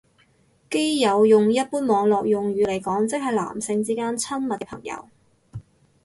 基友用一般網絡用語嚟講即係男性之間親密嘅朋友